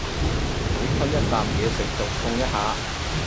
每吞一啖嘢食就痛一下